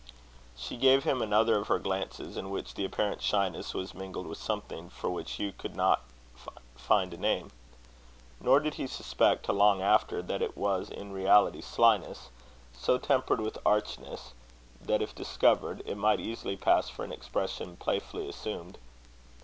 She gave him another of her glances, in which the apparent shyness was mingled with something for which Hugh could not find a name. Nor did he suspect, till long after, that it was in reality slyness, so tempered with archness, that, if discovered, it might easily pass for an expression playfully assumed.